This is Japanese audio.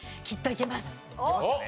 いけますかね？